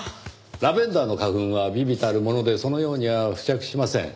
ラベンダーの花粉は微々たるものでそのようには付着しません。